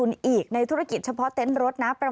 ฟังเสียงลูกจ้างรัฐตรเนธค่ะ